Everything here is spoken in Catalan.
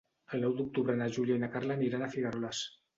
El nou d'octubre na Júlia i na Carla aniran a Figueroles.